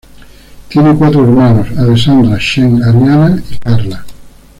Tiene cuatro hermanos: Alessandra, Shen, Ariana y Carla.